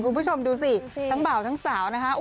คุณผู้ชมดูสิทั้งบ่าวทั้งสาวนะคะ